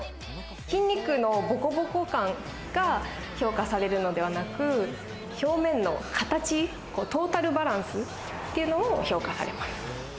筋肉のボコボコ感が評価されるのではなく、表面の形、トータルバランスっていうのを評価されます。